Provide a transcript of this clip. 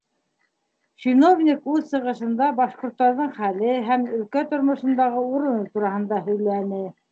Чиновник үҙ сығышында башҡорттарҙың хәле һәм өлкә тормошондағы урыны тураһында һөйләне.